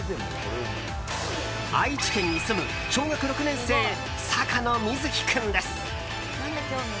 愛知県に住む小学６年生坂野瑞樹君です。